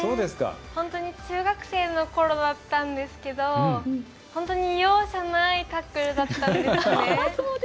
中学生のころだったんですけど本当に容赦ないタックルだったんですね。